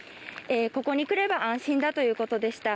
ここに来れば安心ということでした。